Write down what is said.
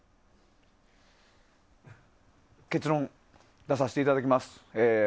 結論出させていただきます。